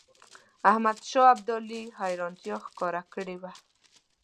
احمدشاه ابدالي حیرانیتا ښکاره کړې وه.